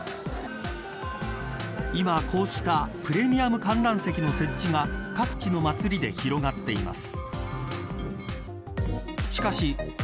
今、こうしたプレミアム観覧席の設置が各地の祭りで広がっています。